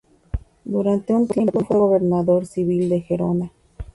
Durante un tiempo fue gobernador civil de Gerona.